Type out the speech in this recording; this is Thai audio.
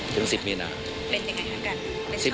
ถึง๑๐มีนาเป็นอย่างไรครับกัน